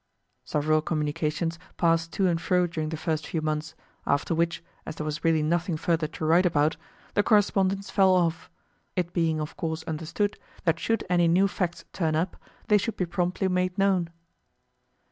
Several communications passed to and fro during the first few months, after which, as there was really nothing further to write about, the correspondence fell off; it being of course understood that should any new facts turn up, they should be promptly made known.